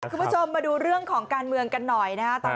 คุณผู้ชมมาดูเรื่องของการเมืองกันหน่อยนะครับ